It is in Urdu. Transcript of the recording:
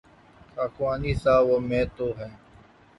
خاکوانی صاحب اور میں تو ہیں۔